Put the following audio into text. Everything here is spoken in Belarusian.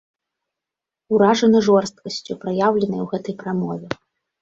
Уражаны жорсткасцю, праяўленай у гэтай прамове.